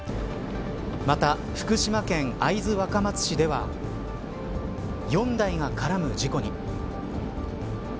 また、福島県会津若松市では４台が絡む事故に。